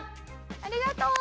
ありがとう！